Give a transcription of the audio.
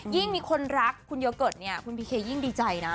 ยิ่งมีคนรักคุณโยเกิร์ตเนี่ยคุณพีเคยิ่งดีใจนะ